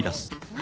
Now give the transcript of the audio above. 何？